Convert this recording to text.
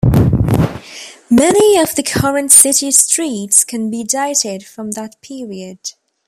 Many of the current city streets can be dated from that period.